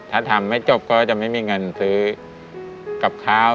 ถ้าทำไม่จบก็จะไม่มีเงินซื้อกับข้าว